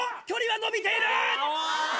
距離は伸びている！